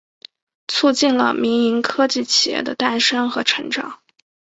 促进了民营科技企业的诞生和成长。